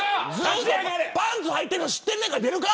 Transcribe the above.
パンツはいてるの知ってんねんから出るか。